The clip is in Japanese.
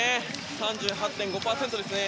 ３８．５％ですね。